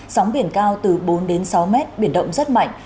sóng biển cao từ bốn đến sáu mét biển động rất mạnh